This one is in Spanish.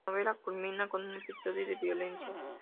La novela culmina con un episodio de violencia.